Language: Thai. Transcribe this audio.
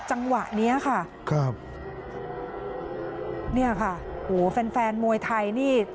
จังหวะนี้ค่ะนี่ค่ะโอ้โฮแฟนมวยไทยนี่